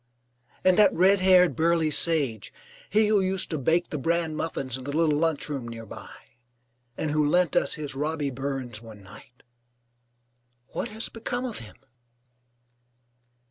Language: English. And that red haired burly sage, he who used to bake the bran muffins in the little lunchroom near by, and who lent us his Robby Burns one night what has become of him?